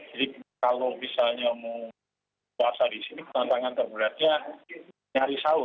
jadi kalau misalnya mau puasa di sini tantangan terberatnya nyarisau